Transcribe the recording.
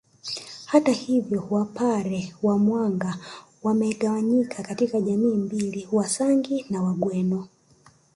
Hata hivyo Wapare wa Mwanga wamegawanyika katika jamii mbili Wasangi na Wagweno